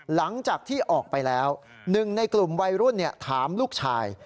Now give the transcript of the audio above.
หลังจากที่ออกไปแล้วหนึ่งในกลุ่มวัยรุ่นถามลูกชาย